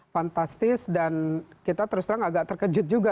fantastis dan kita terus terang agak terkejut juga